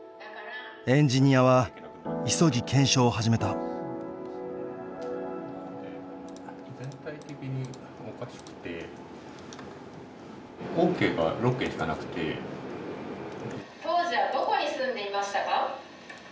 エンジニアは急ぎ検証を始めた「当時はどこに住んでいましたか？」。